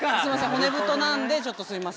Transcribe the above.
骨太なんでちょっとすいません。